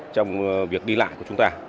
trong việc đi lại của chúng ta